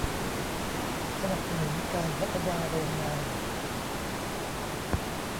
สนับสนุนการพัฒนาโรงงาน